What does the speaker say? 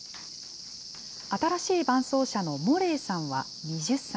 新しい伴走者のモレーさんは２０歳。